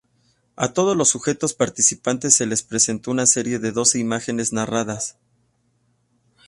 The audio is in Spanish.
A todos los sujetos participantes se les presentó una serie de doce imágenes narradas.